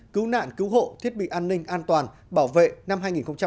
cứu nạn cứu hộ thiết bị an ninh an toàn bảo vệ năm hai nghìn một mươi sáu